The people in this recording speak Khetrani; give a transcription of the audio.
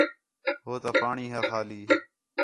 ہو تا پاݨی ہا خالی